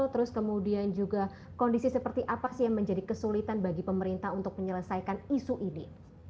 terus kemudian juga kondisi seperti apa sih yang menjadi kesulitan bagi pemerintah untuk menyelesaikan isu ini